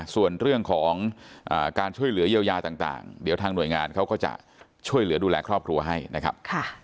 ส่วนเรื่องของการช่วยเหลือเยียวยาต่างเดี๋ยวทางหน่วยงานเขาก็จะช่วยเหลือดูแลครอบครัวให้นะครับ